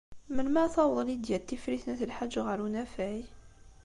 Melmi ara taweḍ Lidya n Tifrit n At Lḥaǧ ɣer unafag?